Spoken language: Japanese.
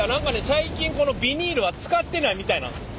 最近このビニールは使ってないみたいなんですよ。